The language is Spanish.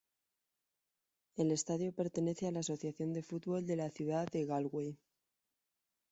El estadio pertenece a la Asociación de Fútbol de la ciudad de Galway.